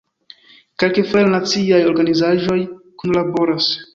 Kelkfoje la naciaj organizaĵoj kunlaboras.